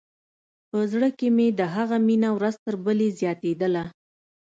په زړه کښې مې د هغه مينه ورځ تر بلې زياتېدله.